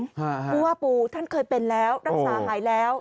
เพราะว่าปูท่านเคยเป็นแล้วรักษาหายแล้ว